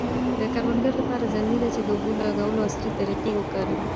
د کروندګرو لپاره ضروري ده چي د اوبو د لګولو عصري طریقې وکاروي.